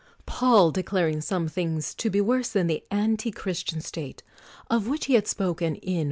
Paul declaring some things to be worse than the antichristian state (of which he had spoken in I.